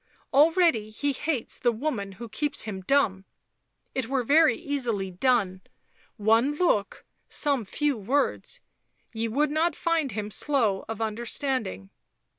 Already he hates the woman who keeps him dumb; it were very easily done — one look, some few words — ye would not find him slow of understanding.